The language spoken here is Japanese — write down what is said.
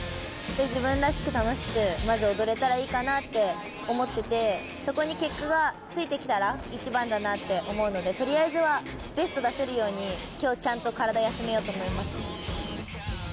自分らしく楽しく踊れたらいいかなって思っててそこに結果がついてきたら一番だなって思うのでとりあえずはベストを出せるように今日、ちゃんと体を休めようと思います。